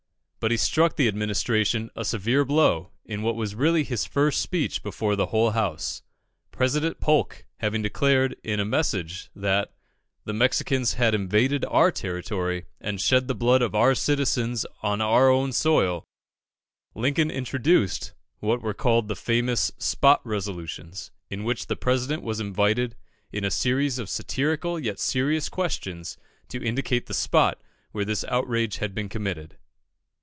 But he struck the Administration a severe blow in what was really his first speech before the whole House. President Polk having declared, in a Message, that "the Mexicans had invaded our territory, and shed the blood of our citizens on our own soil," Lincoln introduced what were called the famous "spot resolutions," in which the President was invited in a series of satirical yet serious questions to indicate the spot where this outrage had been committed.